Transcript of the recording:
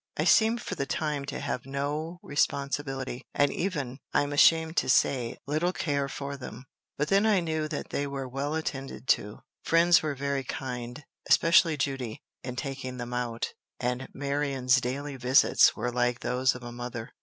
I seemed for the time to have no responsibility, and even, I am ashamed to say, little care for them. But then I knew that they were well attended to: friends were very kind especially Judy in taking them out; and Marion's daily visits were like those of a mother.